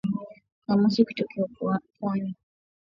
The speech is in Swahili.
Kamasi kutokea puani